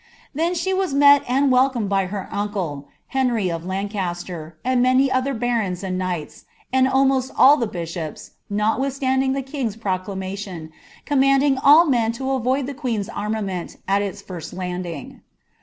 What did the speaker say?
Then she was met and ml coined by her uncle, Henry of Lancaster, and many other l«ro«M ^ knights, and almost all the bishops, notwiihstanding the liii^'s pnd^ maiion, commanding ail men to avoid the queen's armuneat U iu M landing."